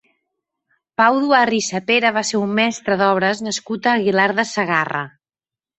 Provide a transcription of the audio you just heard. Pau Duarri i Sapera va ser un mestre d’obres nascut a Aguilar de Segarra.